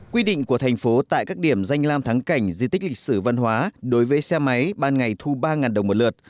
quy định của thành phố tại các điểm danh lam thắng cảnh di tích lịch sử văn hóa đối với xe máy ban ngày thu ba đồng một lượt